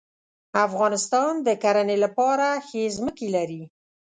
افغانستان د کرهڼې لپاره ښې ځمکې لري.